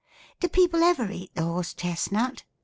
"Do people ever eat the horse chestnut?"